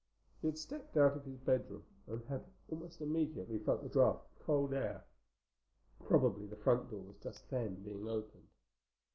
He had stepped out of his bedroom and had almost immediately felt the draft of cold air. Probably the front door was just then being opened.